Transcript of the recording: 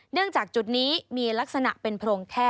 สวัสดีค่ะสวัสดีค่ะ